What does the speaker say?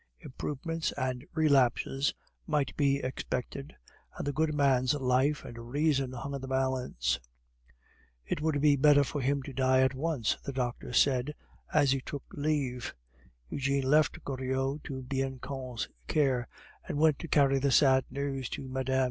Improvements and relapses might be expected, and the good man's life and reason hung in the balance. "It would be better for him to die at once," the doctor said as he took leave. Eugene left Goriot to Bianchon's care, and went to carry the sad news to Mme.